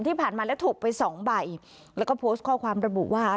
ที่ผ่านมาแล้วถูกไปสองใบแล้วก็โพสต์ข้อความระบุว่า